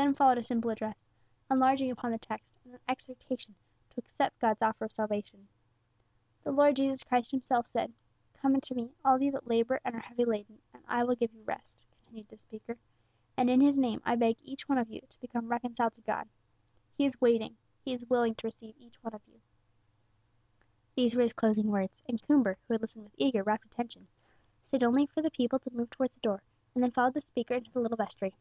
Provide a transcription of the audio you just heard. Then followed a simple address, enlarging upon the text, and an exhortation to accept God's offer of salvation. "The Lord Jesus Christ Himself said: 'Come unto Me, all ye that labour and are heavy laden, and I will give you rest,'" continued the speaker, "and in His name I beg each one of you to become reconciled to God. He is waiting: He is willing to receive each one of you." These were his closing words, and Coomber, who had listened with eager, rapt attention, stayed only for the people to move towards the door, and then followed the speaker into the little vestry.